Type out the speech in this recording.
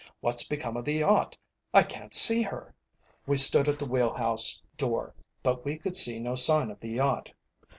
what's become of the yacht? I can't see her!" We stood at the wheel house door straining our eyes, but we could see no sign of the yacht.